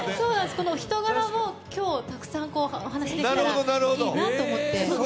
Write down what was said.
人柄を今日、たくさんお話しできたらいいなと思って。